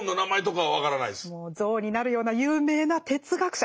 像になるような有名な哲学者